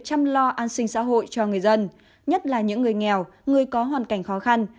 chăm lo an sinh xã hội cho người dân nhất là những người nghèo người có hoàn cảnh khó khăn